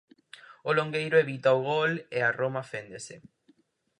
O longueiro evita o gol e a Roma féndese.